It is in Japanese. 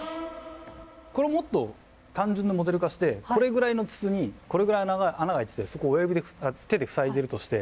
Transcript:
これをもっと単純なモデル化してこれぐらいの筒にこれぐらいの穴が開いててそこを手で塞いでるとして。